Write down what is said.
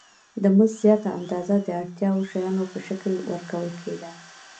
د مزد زیاته اندازه د اړتیا وړ شیانو په شکل ورکول کېده